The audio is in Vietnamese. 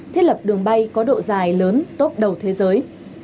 thiết lập đường bay có độ dài lớn top đầu thế giới